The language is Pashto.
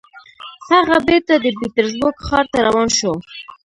هغه بېرته د پیټرزبورګ ښار ته روان شو